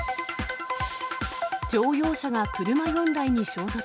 乗用車が車４台に衝突。